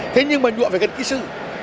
thế nhưng mà nhuộm phải cần kỹ sư